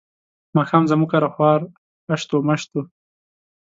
ماښام زموږ کره خوار هشت و مشت وو.